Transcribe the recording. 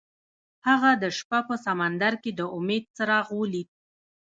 هغه د شپه په سمندر کې د امید څراغ ولید.